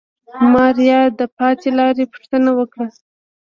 ماريا د پاتې لارې پوښتنه وکړه.